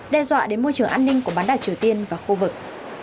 đe dọa đến môi trường an ninh của bán đảo triều tiên và khu vực